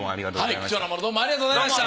貴重なものどうもありがとうございました。